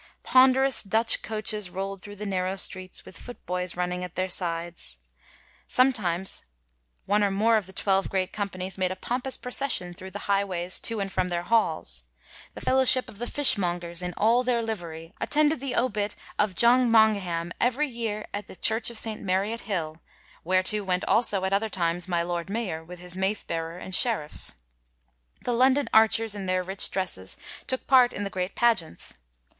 Ponderous Dutch coaches rolld thru the narrow streets, with foot boys running at their sides. Sometimes one or more of the twelve great companies made a pompous procession thru the highways to and from their halls : the Fellow ship of the Fishmongers in all their livery attended the obit of John Mongeham every year at the church of St. Mary at Hill, whereto went also at other times my Lord Mayor with his macebearer and sheriffs. The London archers in their rich dresses took part in the great pageants.